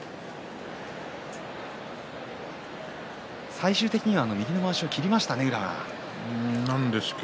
最終的には右のまわしを切りましたね、宇良が。